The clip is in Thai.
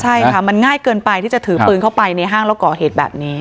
ใช่ค่ะมันง่ายเกินไปที่จะถือปืนเข้าไปในห้างแล้วก่อเหตุแบบนี้